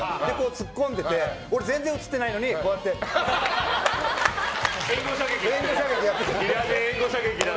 ツッコんでて俺、全然映っていないのにこうやって援護射撃やってて。